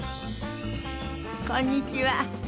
こんにちは。